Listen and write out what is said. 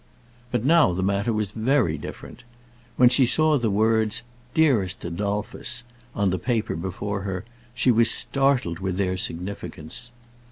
But now the matter was very different. When she saw the words "Dearest Adolphus" on the paper before her, she was startled with their significance.